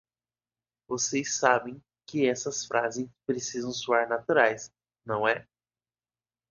Vocês sabem que as frases precisam soar naturais, não é?